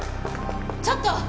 ちょっと！